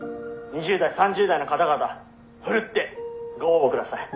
２０代３０代の方々ふるってご応募ください」。